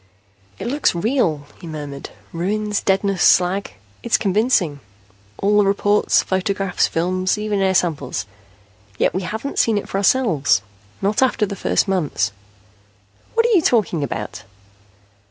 "It looks real," he murmured. "Ruins, deadness, slag. It's convincing. All the reports, photographs, films, even air samples. Yet we haven't seen it for ourselves, not after the first months ..." "What are you talking about?"